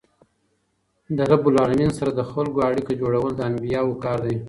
له رب العالمین سره د خلکو اړیکه جوړول د انبياوو کار دئ.